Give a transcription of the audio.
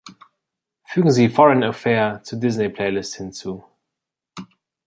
Fügen Sie Foreign Affair zur Disney-Playlist hinzu.